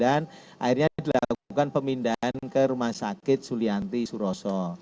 akhirnya dilakukan pemindahan ke rumah sakit sulianti suroso